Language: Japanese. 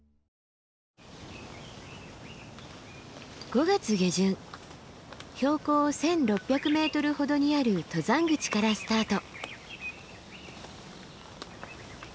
５月下旬標高１，６００ｍほどにある登山口からスタート。